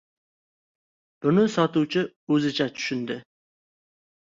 Buni sotuvchi o‘zicha tushundi